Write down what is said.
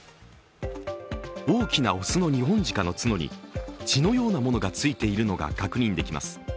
大きな雄のニホンジカの角に血のようなものがついているのが確認できます